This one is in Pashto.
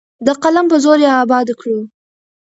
د قلم په زور یې اباده کړو.